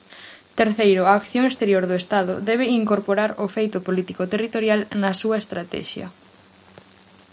Terceiro, a acción exterior do Estado debe incorporar o feito político-territorial na súa estratexia.